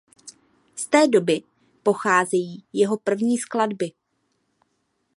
Z té doby pocházejí jeho první skladby.